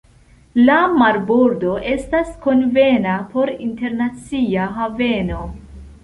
La marbordo estas konvena por internacia haveno.